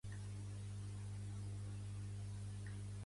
Dels set agredits, cinc han hagut de ser atesos a urgències.